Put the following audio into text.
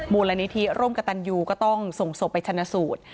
บูรณิธรมกับตันยูก็ต้องส่งส่งไปชนสูตร